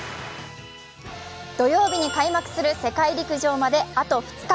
土曜日に開幕する世界陸上まで、あと２日。